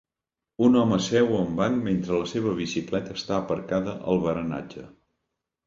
Un home seu a un banc mentre la seva bicicleta està aparcada al baranatge.